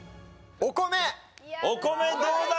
お米どうだ？